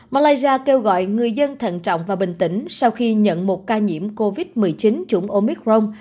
malaysia kêu gọi người dân thận trọng và bình tĩnh sau khi nhận một ca nhiễm covid một mươi chín chủng omicron